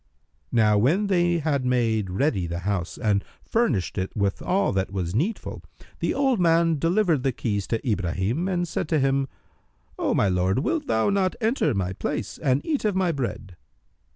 Now when they had made ready the house and furnished it with all that was needful, the old man delivered the keys to Ibrahim and said to him, "O my lord, wilt thou not enter my place and eat of my bread?"